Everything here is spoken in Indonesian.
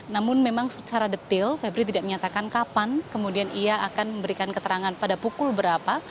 namun memang secara detail febri tidak menyatakan kapan kemudian ia akan memberikan keterangan pada pukul berapa